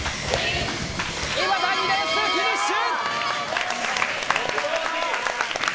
今、第２レースフィニッシュ！